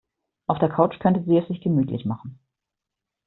Auf der Couch könnte sie es sich gemütlich machen.